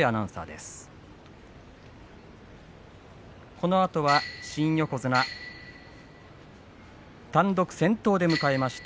このあとは新横綱単独先頭を迎えました。